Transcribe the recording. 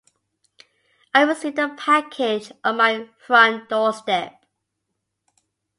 I received a package on my front doorstep.